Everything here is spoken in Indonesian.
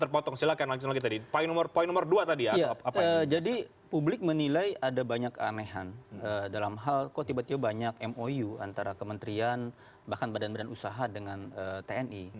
publik menilai ada banyak keanehan dalam hal kok tiba tiba banyak mou antara kementerian bahkan badan badan usaha dengan tni